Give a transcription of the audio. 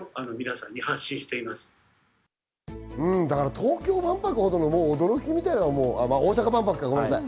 東京万博ほどの驚きみたいなのは、大阪万博か、ごめんなさい。